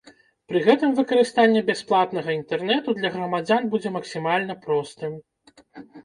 Пры гэтым выкарыстанне бясплатнага інтэрнэту для грамадзян будзе максімальна простым.